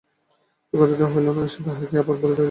যে কথাটা বলা হইল না, তাহাই কি আবার বলিতে যাইতেছে।